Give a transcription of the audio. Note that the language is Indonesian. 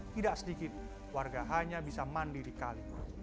tidak sedikit warga hanya bisa mandi di kali